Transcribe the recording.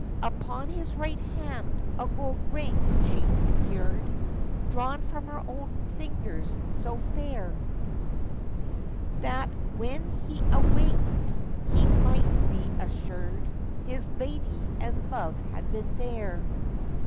Upon his right hand a gold ring she secured, Drawn from her own fingers so fair; That when he awakèd he might be assured His lady and love had been there.